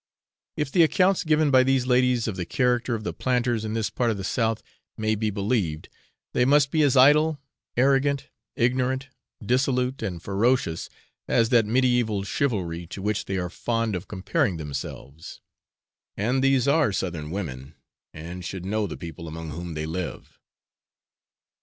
If the accounts given by these ladies of the character of the planters in this part of the south may be believed, they must be as idle, arrogant, ignorant, dissolute, and ferocious as that mediaeval chivalry to which they are fond of comparing themselves; and these are southern women, and should know the people among whom they live.